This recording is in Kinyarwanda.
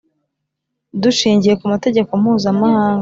Dushingiye ku mategeko mpuzamahanga